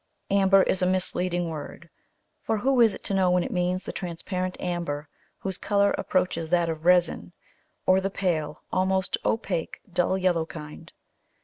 Amber is a misleading word, for who is to know when it means the transparent amber, whose colour approaches that of resin, or the pale, almost opaque, dull yellow kind.